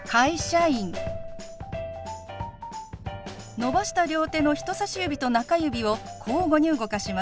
伸ばした両手の人さし指と中指を交互に動かします。